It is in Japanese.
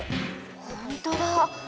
ほんとだ。